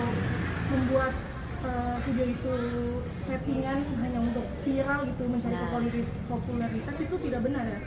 nah viral itu mencari kekuatannya popularitas itu tidak benar ya